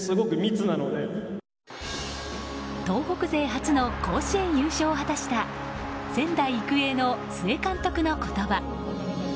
東北勢初の甲子園優勝を果たした仙台育英の須江監督の言葉。